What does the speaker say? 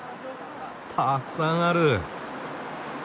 たくさんある。